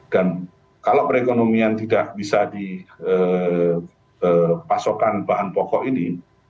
dan kalau perekonomian tidak bisa di pasokan bahan pokok ini